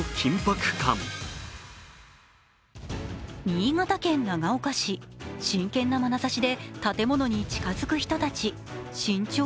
新潟県長岡市、真剣なまなざしで建物に近づく人たち。